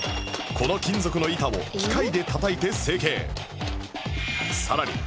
この金属の板を機械でたたいて成型